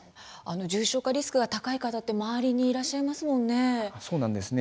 重症化リスクが高い方って周りにいらっしゃいますもんね。